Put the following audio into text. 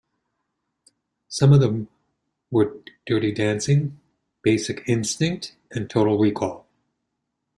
Some of them were "Dirty Dancing", "Basic Instinct", and "Total Recall".